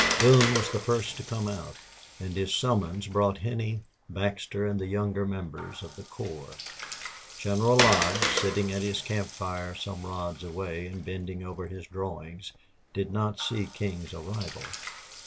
Boone was the first to come out, and his summons brought Henney, Baxter, and the younger members of the corps. General Lodge, sitting at his campfire some rods away, and bending over his drawings, did not see King's arrival.